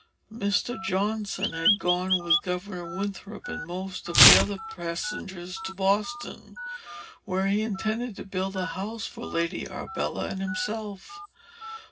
Mr. Johnson had gone, with Governor Winthrop and most of the other passengers, to Boston, where he intended to build a house for Lady Arbella and himself.